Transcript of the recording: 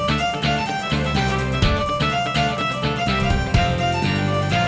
dia satu satu sampe naga sagang kewarna